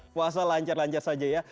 puasa lancar lancar saja ya